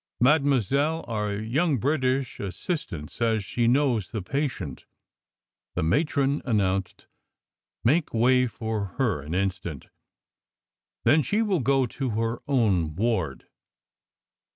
"Mademoiselle, our young British assistant thinks she knows the patient," the matron announced. "Make way for her, an instant. Then she will go to her own ward."